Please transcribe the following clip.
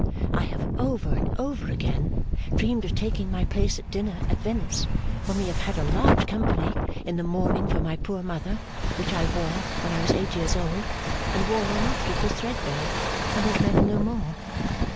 I have over and over again dreamed of taking my place at dinner at Venice when we have had a large company, in the mourning for my poor mother which I wore when I was eight years old, and wore long after it was threadbare and would mend no more.